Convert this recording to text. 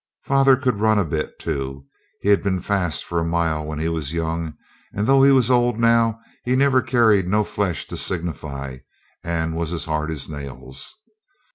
Father could run a bit, too; he'd been fast for a mile when he was young, and though he was old now he never carried no flesh to signify, and was as hard as nails.